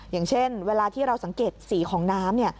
อย่างเช่นเวลาที่เราสังเกตสีของน้ำ